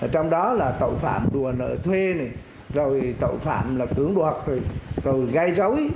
trong đó là tội phạm đùa nợ thuê tội phạm tưởng đoạt gai dấu